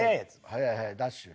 速い速いダッシュ。